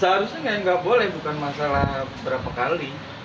seharusnya nggak boleh bukan masalah berapa kali